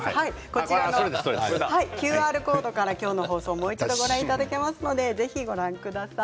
こちらのＱＲコードから今日の放送をもう一度ご覧いただけますのでぜひご覧ください。